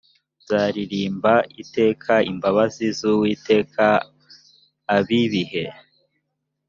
nzaririmba iteka imbabazi z uwiteka ab ibihe